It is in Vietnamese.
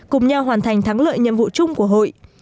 cùng nhau hoàn thành thắng lợi nhiệm vụ chung của hội